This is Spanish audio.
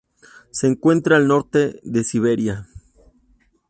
Se encuentra al norte de Siberia.